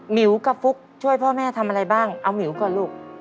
หิวกับฟุ๊กช่วยพ่อแม่ทำอะไรบ้างเอาหมิวก่อนลูก